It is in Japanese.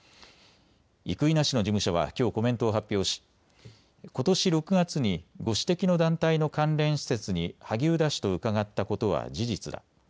生稲氏の事務所はきょうコメントを発表しことし６月にご指摘の団体の関連施設に萩生田氏と伺ったことは事実だ。